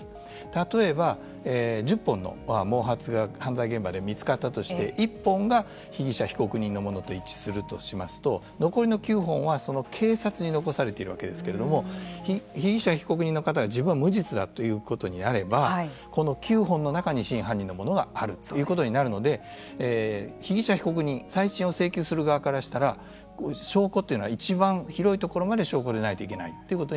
例えば１０本の毛髪が犯罪現場で見つかったとして１本が被疑者被告人のものだとすると残りの９本は警察に残されているわけですけど被疑者、被告人の方が自分は無実ということになればこの９本の中に真犯人のものがあるということになるので被疑者、被告人再審を請求する側からしたら証拠というのはいちばん広いところまで証拠でないといけない